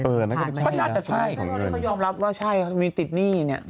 เออน่าจะใช่ของเงินใช่นี่เขายอมรับว่าใช่มีติดหนี้เนี่ย